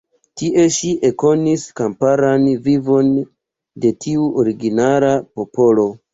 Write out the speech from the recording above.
Tie ŝi ekkonis kamparan vivon de tiu originala popolo.